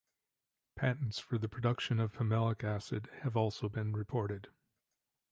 Patents for the production of pimelic acid have also been reported.